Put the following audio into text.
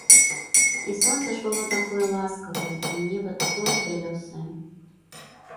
І сонца ж было такое ласкавае і неба такое ж бялёсае.